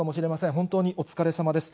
本当にお疲れさまです。